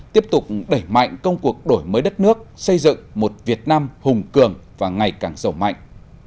tiếp tục đẩy mạnh công cuộc đổi mới đất nước xây dựng một việt nam hùng cường và ngày càng sầu mạnh